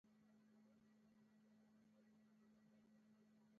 زړه مو چاودون ته نږدې کیږي